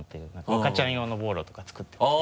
赤ちゃん用のボーロとか作ってます。